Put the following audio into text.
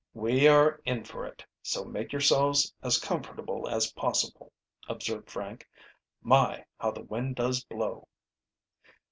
"We are in for it, so make yourselves as comfortable as possible," observed Frank. "My, how the wind does blow!"